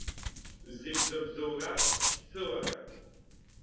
Зегь зыбзоураз шьцыларан.